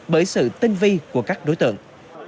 bởi sự tinh vi của các đối tượng